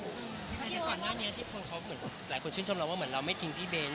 พี่เบ้นก่อนหน้านี้ที่คนเขาเหมือนหลายคนชื่นชมเราว่าเหมือนเราไม่ทิ้งพี่เบ้น